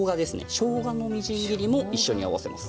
しょうがのみじん切りも合わせます。